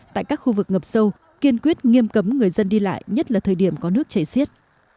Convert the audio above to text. tại các khu vực ngập sâu kiên quyết nghiêm cấm người dân đi lại nhất là thời điểm có nước chảy xiết